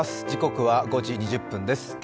時刻は５時２０分です。